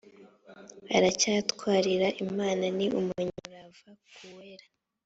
aracyatwarira imana ni umunyamurava ku uwera